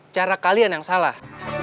cara kalian yang salah